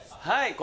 はい。